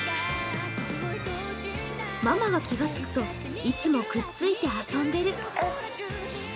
ママが気がつくと、いつもくっついて遊んでる。